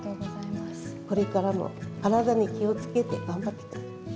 これからも体に気をつけて頑張ってください。